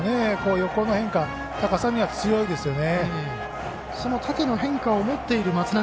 横の変化、高さには強いですよね。